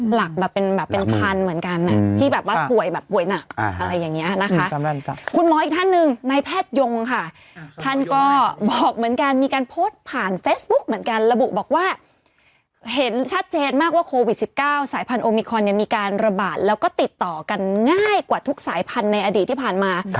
หลักแบบเป็นแบบเป็นพันเหมือนกันที่แบบว่าป่วยแบบป่วยหนักอะไรอย่างนี้นะคะคุณหมออีกท่านหนึ่งในแพทยงค่ะท่านก็บอกเหมือนกันมีการโพสต์ผ่านเฟซบุ๊กเหมือนกันระบุบอกว่าเห็นชัดเจนมากว่าโควิด๑๙สายพันธุมิคอนเนี่ยมีการระบาดแล้วก็ติดต่อกันง่ายกว่าทุกสายพันธุ์ในอดีตที่ผ่านมา